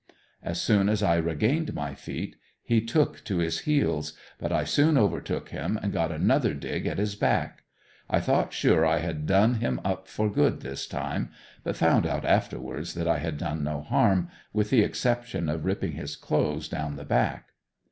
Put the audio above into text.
As soon as I regained my feet he took to his heels, but I soon overtook him and got another dig at his back. I thought sure I had done him up for good this time but found out afterwards that I had done no harm, with the exception of ripping his clothes down the back.